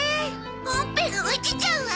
ほっぺが落ちちゃうわ。